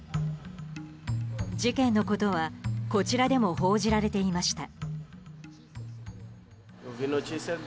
事件のことはこちらでも報じられていました。